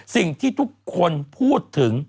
สิ่งที่ทุกคนพูดถึง